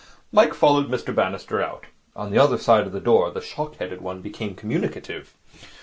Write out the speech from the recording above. Mike followed Mr Bannister out. On the other side of the door the shock headed one became communicative.